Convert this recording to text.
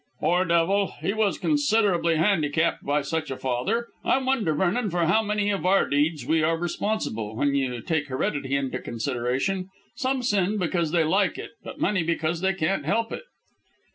"Poor devil. He was considerably handicapped by such a father. I wonder, Vernon, for how many of our deeds we are responsible, when you take heredity into consideration. Some sin because they like it, but many because they can't help it."